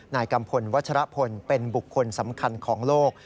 นายกัมพลวัชรพลเป็นบุคคลสำคัญของโลก